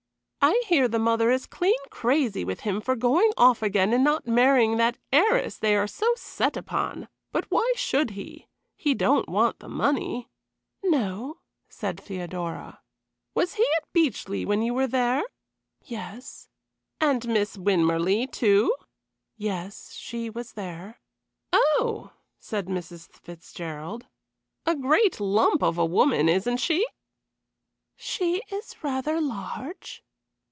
"I hear the mother is clean crazy with him for going off again and not marrying that heiress they are so set upon. But why should he? He don't want the money." "No," said Theodora. "Was he at Beechleigh when you were there?" "Yes." "And Miss Winmarleigh, too?" "Yes, she was there." "Oh!" said Mrs. Fitzgerald. "A great lump of a woman, isn't she?" "She is rather large."